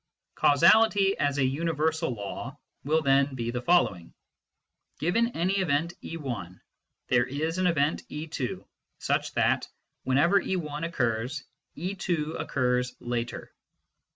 Causality, as a universal law, will then be the following : I" Given any event e lt there is an event e z such that, whenever e l occurs, e^ occurs later."